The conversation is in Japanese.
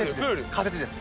仮設です。